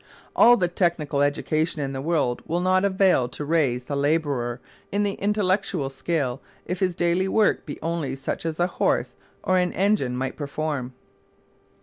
All the technical education in the world will not avail to raise the labourer in the intellectual scale if his daily work be only such as a horse or an engine might perform.